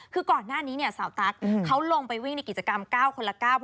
คือก่อนหน้านี้เนี่ยสาวตั๊กเขาลงไปวิ่งในกิจกรรมเก้าคนละเก้า